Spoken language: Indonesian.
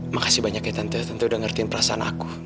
makasih banyak ya tante tante udah ngertiin perasaan aku